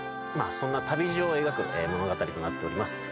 そんな旅路を描く物語となっております